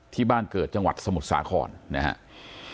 ที่บ้านเกิดจังหวัดสมุทรสาครนะครับ